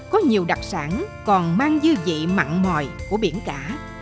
có nhiều đặc sản còn mang dư vị mặn mòi của biển cả